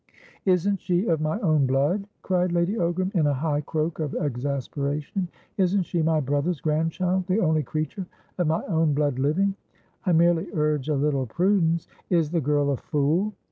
"Isn't she of my own blood?" cried Lady Ogram, in a high croak of exasperation. "Isn't she my brother's grandchildthe only creature of my own blood living?" "I merely urge a little prudence" "Is the girl a fool?"